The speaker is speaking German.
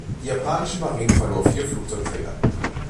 Die japanische Marine verlor vier Flugzeugträger.